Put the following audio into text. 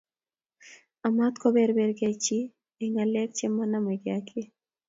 Amat koberberak chi eng'ng'alek che manamegei ak kiy.